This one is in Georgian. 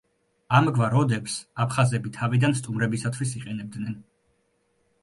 ამგვარ ოდებს აფხაზები თავიდან სტუმრებისათვის იყენებდნენ.